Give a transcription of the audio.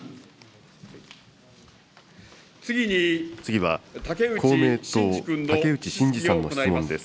次は公明党、竹内真二さんの質問です。